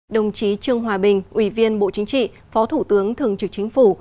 đồng chí trương hòa bình ủy viên bộ chính trị phó thủ tướng thường trực chính phủ